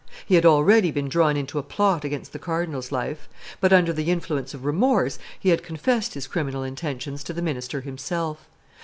He had already been drawn into a plot against the cardinal's life; but, under the influence of remorse, he had confessed his criminal intentions to the minister himself.